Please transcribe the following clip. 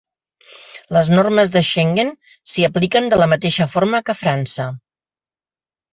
Les normes de Schengen s'hi apliquen de la mateixa forma que a França.